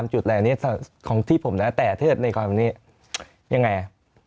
จุดแหล่งนี้ของที่ผมนะแต่ถ้าเกิดในความนี้ยังไงอ่ะ